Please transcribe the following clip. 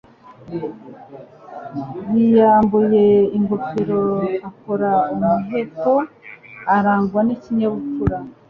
Yiyambuye ingofero akora umuheto urangwa n'ikinyabupfura.